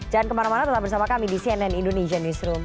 jangan kemana mana tetap bersama kami di cnn indonesian newsroom